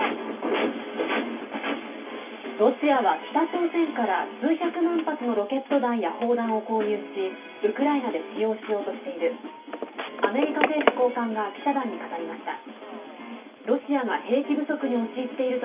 ロシアは北朝鮮から数百万発のロケット弾や砲弾を購入しウクライナで使用しようとしている。